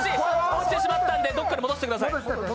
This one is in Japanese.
落ちてしまったのでどこかに戻してください。